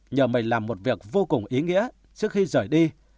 nhờ mình làm một việc vô cùng ý nghĩa trước khi rời đi